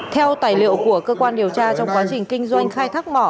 theo tài liệu của cơ quan điều tra trong quá trình kinh doanh khai thác mỏ